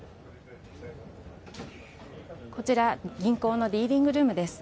こちら銀行のディーリングルームです。